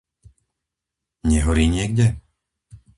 Nehorí niekde?